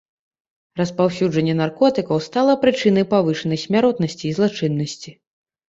Распаўсюджанне наркотыкаў стала прычынай павышанай смяротнасці і злачыннасці.